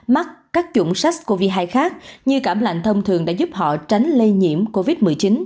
mắc các chủng sars cov hai khác như cảm lạnh thông thường đã giúp họ tránh lây nhiễm covid một mươi chín